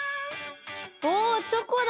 おおチョコだ！